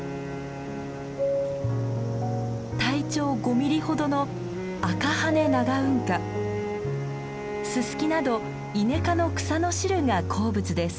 体長５ミリほどのススキなどイネ科の草の汁が好物です。